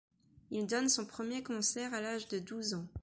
Il donne son premier concert à l'âge de douze ans.